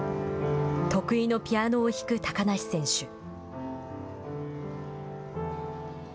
得意のピアノを弾く高梨選手。